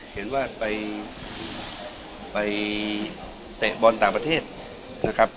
เห็นว่าไปเตะบอลต่างประเทศนะครับ